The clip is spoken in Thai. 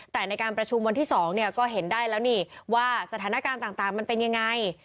แต่ในการประชุมวันที่๒เนี่ยก็เห็นได้แล้วนี่ว่าสถานการณ์ต่างมันเป็นยังไง